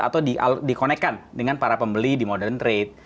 atau dikonekkan dengan para pembeli di modern trade